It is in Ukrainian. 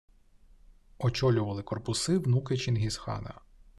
Очолювали корпуси внуки Чингісхана: